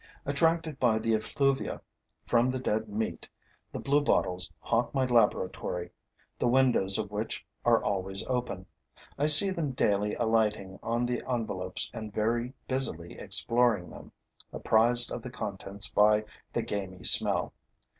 Attracted by the effluvia from the dead meat, the bluebottles haunt my laboratory, the windows of which are always open. I see them daily alighting on the envelopes and very busily exploring them, apprised of the contents by the gamy smell.